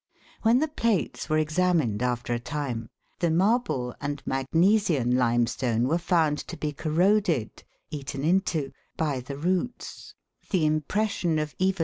When the plates were examined after a time, the marble and magnesian limestone were found to be corroded eaten into by the roots, the impression of even the root hairs being Fig.